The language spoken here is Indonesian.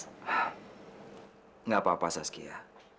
tidak apa apa saskia